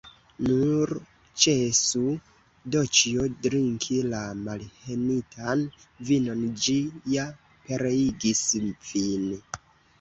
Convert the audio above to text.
Nur ĉesu, Doĉjo, drinki la malbenitan vinon; ĝi ja pereigis vin!